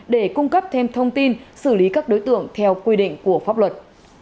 để cung cấp thêm thông tin xử lý các đối tượng theo quy định của pháp luật